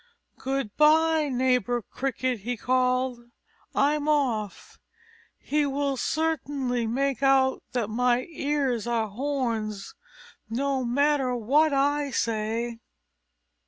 "Goodby, neighbor Cricket," he called. "I'm off. He will certainly make out that my ears are horns, no matter what I say."